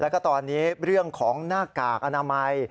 แล้วก็ตอนนี้เรื่องของหน้ากากอนามัย